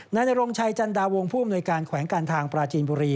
นายนรงชัยจันดาวงผู้อำนวยการแขวงการทางปราจีนบุรี